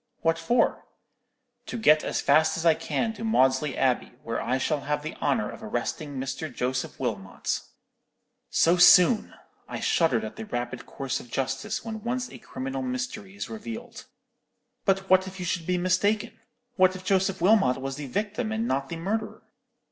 "'What for?' "'To get as fast as I can to Maudesley Abbey, where I shall have the honour of arresting Mr. Joseph Wilmot.' "So soon! I shuddered at the rapid course of justice when once a criminal mystery is revealed. "'But what if you should be mistaken! What if Joseph Wilmot was the victim and not the murderer?"